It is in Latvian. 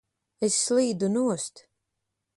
Es slīdu nost!